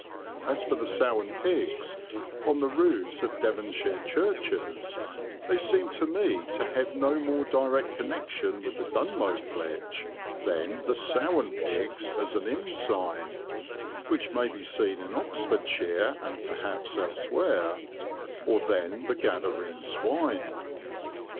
As for the sow and pigs on the roofs of Devonshire churches, they seem to me to have no more direct connection with the Dunmow flitch than "the sow and pigs" as an inn sign (which may be seen in Oxfordshire and perhaps elsewhere), or than the Gadarene swine.